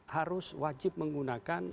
harus wajib menggunakan